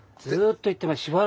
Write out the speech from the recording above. ずっと言ってました。